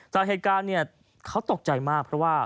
แต่เหตุการณ์เขาตกใจมากเพราะว่า